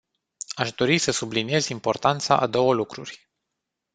Aș dori să subliniez importanța a două lucruri.